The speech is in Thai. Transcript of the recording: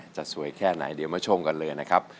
จะสวยแค่ไหนเดี๋ยวมาชมกันเลยนะครับ